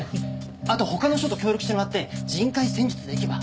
あと他の署と協力してもらって人海戦術でいけば。